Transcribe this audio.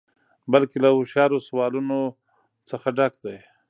بلکې له هوښیارو سوالونو څخه ډک دی.